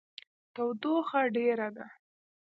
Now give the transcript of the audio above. تودوخه ډیره ده